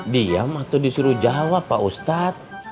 diam atau disuruh jawab pak ustadz